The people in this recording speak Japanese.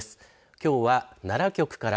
きょうは奈良局から。